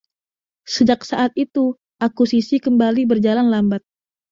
Sejak saat itu, akuisisi kembali berjalan lambat.